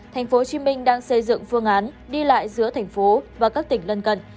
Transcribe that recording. tp hcm đang xây dựng phương án đi lại giữa thành phố và các tỉnh lân cận